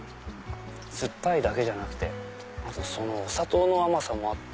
酸っぱいだけじゃなくてお砂糖の甘さもあって。